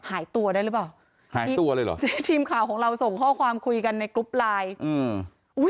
หายตัวได้หรือเปล่าหายตัวเลยเหรอเจ๊ทีมข่าวของเราส่งข้อความคุยกันในกรุ๊ปไลน์อืมอุ้ย